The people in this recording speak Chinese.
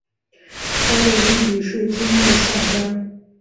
他的弟弟是金密萨加。